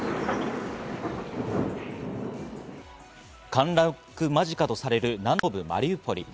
陥落間近とされる南東部マリウポリ。